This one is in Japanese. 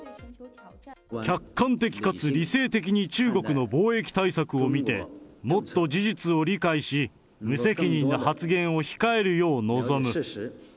客観的かつ理性的に中国の防疫対策を見て、もっと事実を理解し、無責任な発言を控えるよう望む。